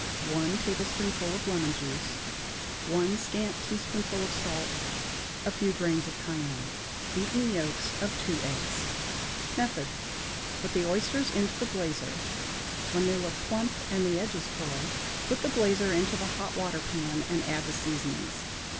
1 tablespoonful of lemon juice. 1 scant teaspoonful of salt. A few grains of cayenne. Beaten yolks of 2 eggs. Method. Put the oysters into the blazer. When they look plump and the edges curl, put the blazer into the hot water pan and add the seasonings.